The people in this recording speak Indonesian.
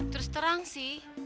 terus terang sih